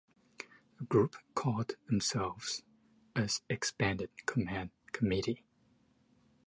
The group called themselves as ""Expanded Command Committee"".